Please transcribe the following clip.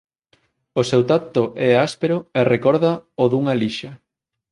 O seu tacto é áspero e recorda o dunha lixa.